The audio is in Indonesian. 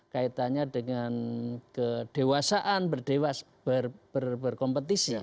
kaitannya dengan kedewasaan berkompetisi